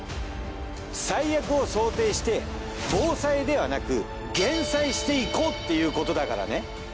最悪を想定して防災ではなく減災していこうっていうことだからね。